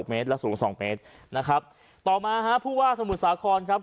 เมตรและสูงสองเมตรนะครับต่อมาฮะผู้ว่าสมุทรสาครครับ